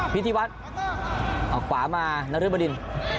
พิธีวัสล์เอาขวามานารุบดิน